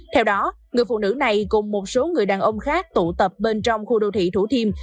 theo đó người phụ nữ này cùng một số người đàn ông khác tụ tập bên trong khu đô thị thủ thiêm